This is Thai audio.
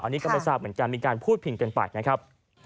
อันนี้กำลังจะมีการพูดพิงกันไปนะครับ